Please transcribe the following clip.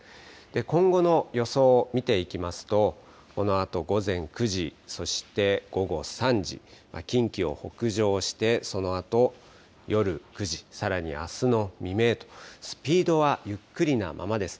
今後の予想を見ていきますと、このあと午前９時、そして午後３時、近畿を北上して、そのあと夜９時、さらにあすの未明と、スピードはゆっくりなままです。